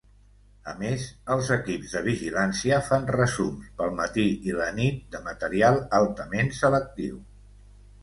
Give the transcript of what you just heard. A més, els equips de vigilància fan resums pel matí i la nit de material altament selectiu.